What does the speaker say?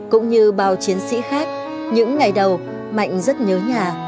cũng như bao chiến sĩ khác những ngày đầu mạnh rất nhớ nhà